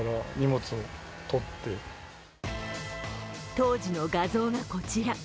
当時の画像がこちら。